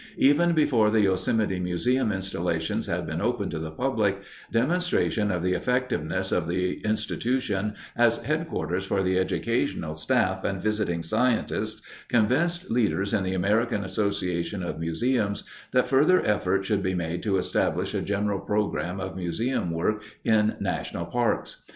Even before the Yosemite museum installations had been opened to the public, demonstration of the effectiveness of the institution as headquarters for the educational staff and visiting scientists convinced leaders in the American Association of Museums that further effort should be made to establish a general program of museum work in national parks.